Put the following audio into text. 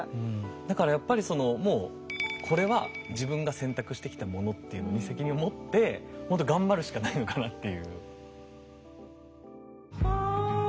だからやっぱりそのもうこれは自分が選択してきたものっていうのに責任を持って頑張るしかないのかなっていう。